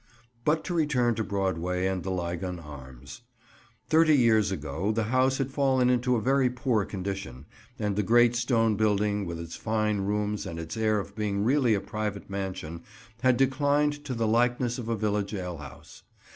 But to return to Broadway and the "Lygon Arms." Thirty years ago the house had fallen into a very poor condition, and the great stone building with its fine rooms and its air of being really a private mansion, had declined to the likeness of a village alehouse.